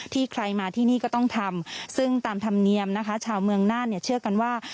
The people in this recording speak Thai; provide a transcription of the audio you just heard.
ใครมาที่นี่ก็ต้องทำซึ่งตามธรรมเนียมนะคะชาวเมืองน่านเนี่ยเชื่อกันว่า